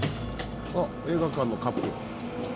あっ映画館のカップ。